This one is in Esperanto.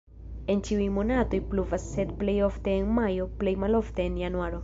En ĉiuj monatoj pluvas, sed plej ofte en majo, plej malofte en januaro.